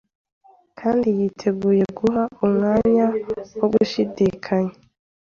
kandi yiteguye guha umwanya wo gushidikanya